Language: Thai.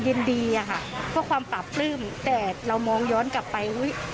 ดีอะค่ะเพื่อความปราบปลื้มแต่เรามองย้อนกลับไปอุ้ย